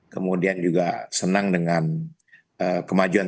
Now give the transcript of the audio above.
kemudian juga senang dengan kemajuan